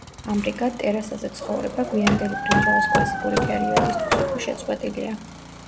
ამრიგად, ტერასაზე ცხოვრება, გვიანდელი ბრინჯაოს კლასიკური პერიოდისთვის, უკვე შეწყვეტილია.